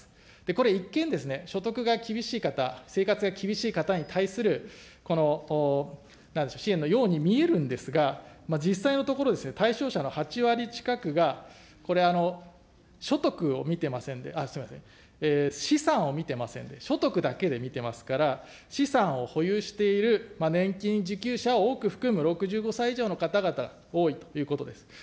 これ、一見、所得が厳しい方、生活が厳しい方に対するこの支援のように見えるんですが、実際のところ、対象者の８割近くが、これ、所得を見てませんで、すみません、資産を見てませんで、所得だけで見てますから、資産を保有している年金受給者を多く含む６５歳以上の方々多いということです。